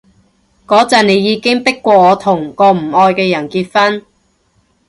嗰陣你已經迫過我同個唔愛嘅人結婚